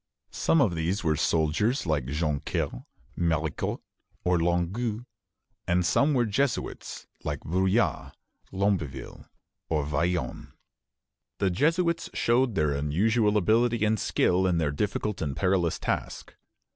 Some of these were soldiers, like Joncaire, Maricourt, or Longueuil, and some were Jesuits, like Bruyas, Lamberville, or Vaillant. The Jesuits showed their usual ability and skill in their difficult and perilous task.